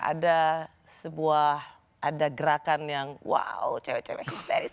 ada sebuah ada gerakan yang wow cewek cewek histeris